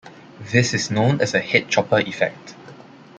This is known as a head chopper effect.